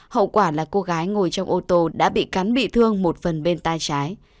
hậu quả là cô gái ngồi trong ô tô đã bị cắn bị thương một phần bên tay trái